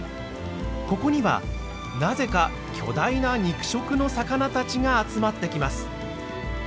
ここにはなぜか巨大な肉食の魚たちが集まってきます。